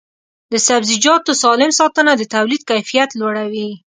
د سبزیجاتو سالم ساتنه د تولید کیفیت لوړوي.